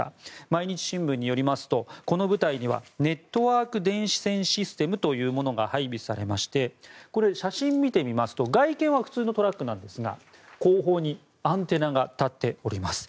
毎日新聞によりますとこの部隊にはネットワーク電子システムというものが配備されましてこれ、写真を見てみますと外見は普通のトラックなんですが後方にアンテナが立っております。